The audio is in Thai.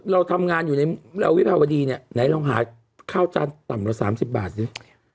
เราทำงานอยู่ในวิภาวดีเนี่ยไหนลองหาข้าวจานต่ำละ๓๐บาทสิ